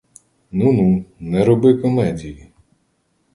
Ну, ну, не роби комедії!